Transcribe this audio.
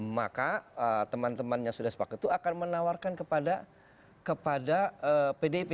maka teman teman yang sudah sepakat itu akan menawarkan kepada pdip